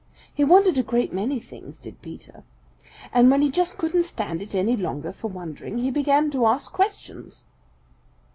He wondered a great many things, did Peter. And when he just couldn't stand it any longer for wondering, he began to ask questions.